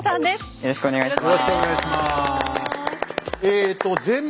よろしくお願いします。